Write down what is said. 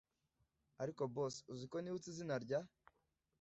ariko boss uziko nibutse izina rya